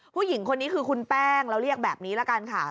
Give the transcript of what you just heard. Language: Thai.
ผู้หญิงคนนี้คือคุณแป้งเราเรียกแบบนี้ละกันค่ะ